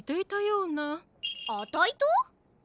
あたいと？